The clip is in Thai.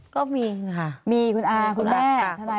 ก็มีคุณค่ะ